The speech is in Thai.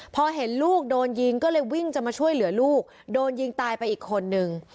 พอเห็นลูกโดนยิงก็เลยวิ่งจะมาช่วยเหลือลูกโดนยิงตายไปอีกคนนึง